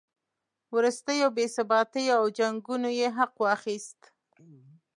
وروستیو بې ثباتیو او جنګونو یې حق واخیست.